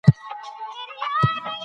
هغه خلګ چي یو ځای دي قوي دي.